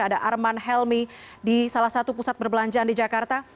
ada arman helmi di salah satu pusat perbelanjaan di jakarta